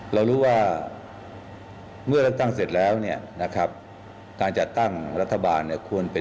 เรารู้ว่าเมื่อเราตั้งเสร็จแล้ว